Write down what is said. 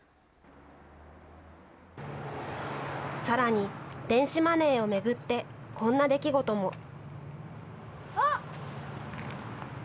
さらに電子マネーを巡ってこんな出来事も。